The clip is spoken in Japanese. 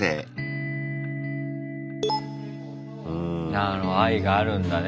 なるほど愛があるんだね。